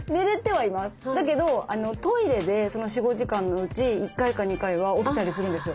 だけどトイレで４５時間のうち１回か２回は起きたりするんですよ。